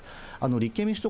立憲民主党、